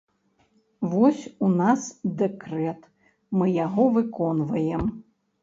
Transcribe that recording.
Вось у нас дэкрэт, мы яго выконваем.